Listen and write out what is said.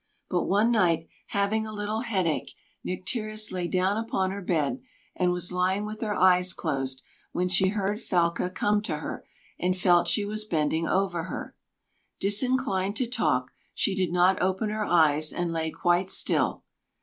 But one night, having a little headache, Nycteris lay down upon her bed, and was lying with her eyes closed, when she heard Falca come to her, and felt she was bending over her. Disinclined to talk, she did not open her eyes, and lay quite still.